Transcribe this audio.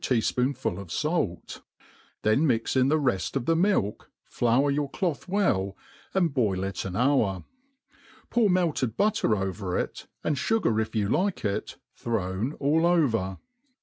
tea«* fpoonful of fait} then mix in the reft of the milk, flour your cloth well, and boil it an hour ; pour melted butter over^it, and fugar if you like it, thrown all over.